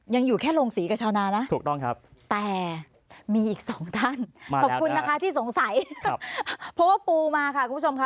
ยังอยู่แค่โรงสีกับชาวนานะแต่มีอีกสองท่านขอบคุณนะคะที่สงสัยพบปูมาค่ะคุณผู้ชมค่ะ